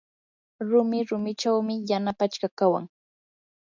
rumi rumichawmi yana pachka kawan.